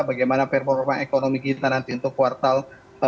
bagaimana performa ekonomi kita nanti untuk kuartal satu dua ribu dua puluh tiga